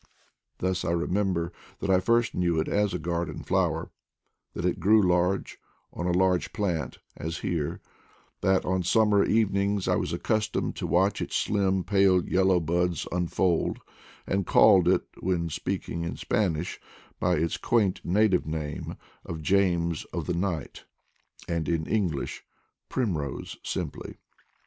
Thus I remember that I first knew it as a garden flower, that it grew large, on a large plant, as here ; that on summer evenings I was accustomed to watch its slim, pale, yellow buds unfold, and called it, when speaking in 232 IDLE DAYS IN PATAGONIA Spanish, by its quaint native name of James of the night, and, in English, primrose simply.